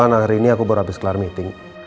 nah hari ini aku baru habis kelar meeting